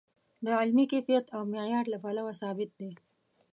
د علمي کیفیت او معیار له پلوه ثابت دی.